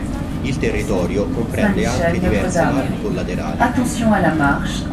Il territorio comprende anche diverse valli collaterali.